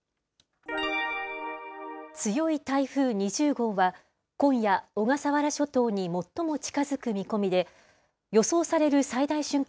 強い台風２０号は、今夜、小笠原諸島に最も近づく見込みで、予想される最大瞬間